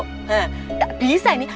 hah gak bisa ini